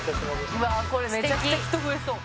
「うわっこれめちゃくちゃ人増えそう」